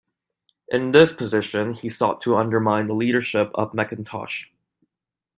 In this position, he sought to undermine the leadership of McIntosh.